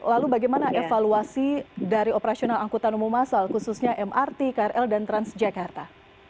lalu bagaimana evaluasi dari operasional angkutan umum masal khususnya mrt krl dan transjakarta